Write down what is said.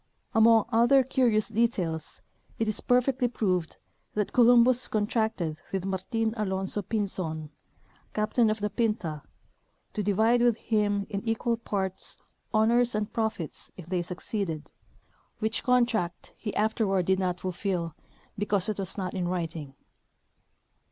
Among other curi ous details it is perfectly proved that Columbus contracted with Martin Alonso Pinzon, captain of the Pinta, to divide with him in equal parts honors and profits if they succeeded, which con 184 V. M. ■Co'iicas — TJie Caravels of ColuDihas. tract he afterward did not fulHll because it was not in writing.